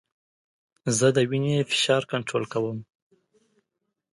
زه د وینې فشار کنټرول کوم.